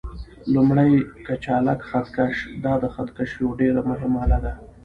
لومړی: کچالک خط کش: دا د خط کشۍ یوه ډېره مهمه آله ده.